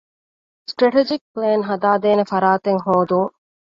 ސްޓްރެޓެޖިކް ޕްލޭން ހަދާދޭނެ ފަރާތެއް ހޯދުން